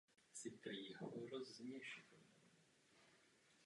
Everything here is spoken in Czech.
Britové také během války zničili některé Braxtonovy plantáže.